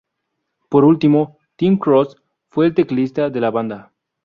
Por último, Tim Cross fue el tecladista de la banda.